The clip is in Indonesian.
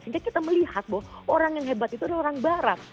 sehingga kita melihat bahwa orang yang hebat itu adalah orang barat